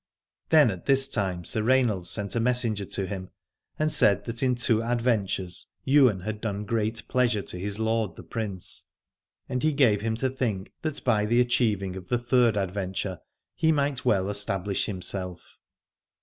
Then at this time Sir Rainald sent a messenger to him, and said how that in two adventures Ywain had done great pleasure to his lord the Prince, and he gave him to think that by the achieving of the third adventure he might well establish himself.